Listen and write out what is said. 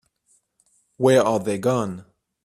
Where are they gone?